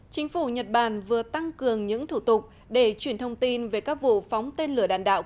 chính phủ nhật bản vừa tăng cường những thủ tục để chuyển thông tin về các vụ phóng tên lửa đạn đạo